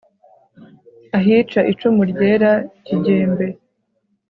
ahica icumu ryera ikigembe